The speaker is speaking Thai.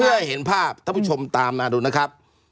เพื่อให้เห็นภาพท่านผู้ชมตามมาดูนะครับ